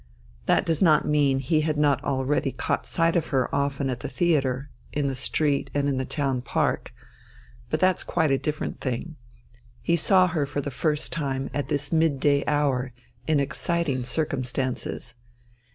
That does not mean that he had not already caught sight of her often at the theatre, in the street, and in the town park. But that's quite a different thing. He saw her for the first time at this midday hour in exciting circumstances.